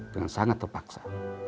dengan sangat terpaksa